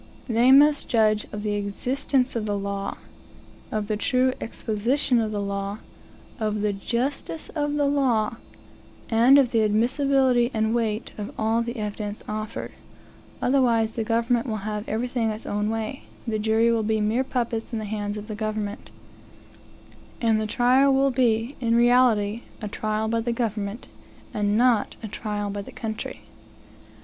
They must judge of the existence of the law; of the true exposition of the law; of the justice of the law; and of the admissibility and weight of all the evidence offered; otherwise the government will have everything its own way; the jury will be mere puppets in the hands of the government: and the trial will be, in reality, a trial by the government, and not a "trial by the country."